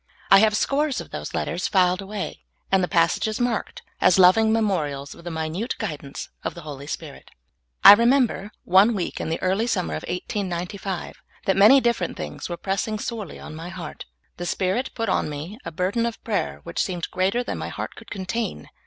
I have scores of those letters filed away and the passages marked, as loving memorials of the minute guidance of the Holy Spirit, I remember, one week in the early summer of 1895, that many different things were pressing sorel}^ on my heart. The Spirit put on me a burden of prayer which seemed greater than m}^ heart could contain.